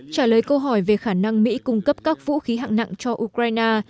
trả lời câu hỏi về khả năng mỹ cung cấp các vũ khí hạng nặng cho ukraine